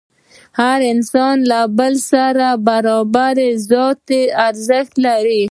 هر انسان له بل سره برابر ذاتي ارزښت لري.